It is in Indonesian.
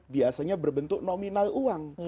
biasanya berbentuk nominal uang